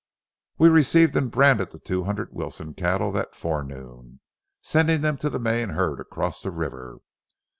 We received and branded the two hundred Wilson cattle that forenoon, sending them to the main herd across the river.